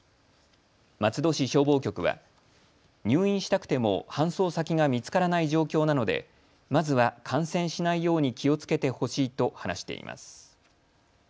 松戸市消防局は、入院したくても搬送先が見つからない状況なのでまずは感染しないように気をつけてほしいと話しています。